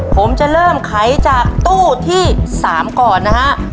ผมจะเริ่มไขจากตู้ที่๓ก่อนนะฮะ